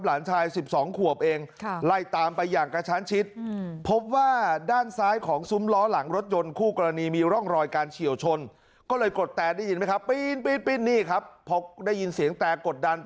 หลานชาย๑๒ขวบเองไล่ตามไปอย่างกระช้านชิด